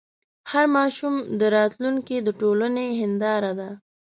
هر ماشوم د راتلونکي د ټولنې هنداره ده.